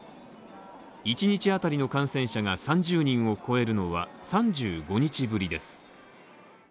１日当たりの感染者が３０人を超えるのは、３５日ぶりです。